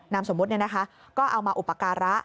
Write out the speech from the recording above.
นามสมมตินี่นะคะก็เอามาอุปการะ